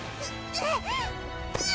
うわ！